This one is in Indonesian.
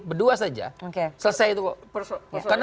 berdua saja selesai itu kok